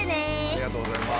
ありがとうございます。